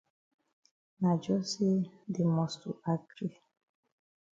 Na jus say dey must to gree.